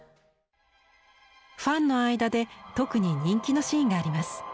ファンの間で特に人気のシーンがあります。